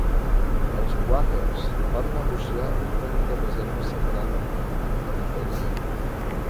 Els quàquers van negociar una petita reserva separada en Territori Indi.